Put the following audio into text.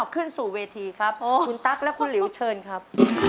เพื่อขึ้นสู่เวทีคุณตั๊กและคุณลิวเชิญครับ